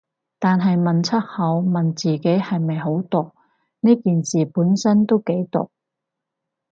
但係問出口，問自己係咪好毒，呢件事本身都幾毒